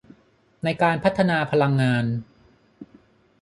ในการพัฒนาพลังงาน